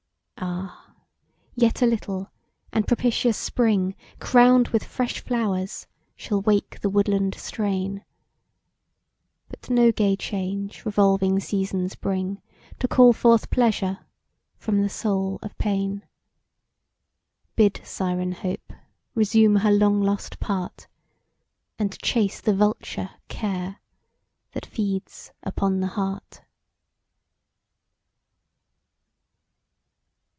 Ah! yet a little and propitious spring Crown'd with fresh flowers shall wake the woodland strain; But no gay change revolving seasons bring To call forth pleasure from the soul of pain; Bid Syren Hope resume her long lost part, And chase the vulture Care that feeds upon the heart.